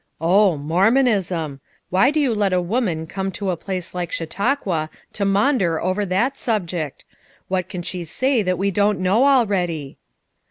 "Oh, MormonismI Why do they let a woman come to a place like Chautauqua to maunder over that subject? What can she say that we don't know already?"